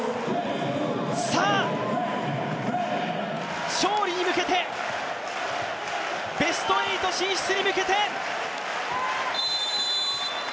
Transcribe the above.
さあ、勝利に向けて、ベスト８進出に向けて。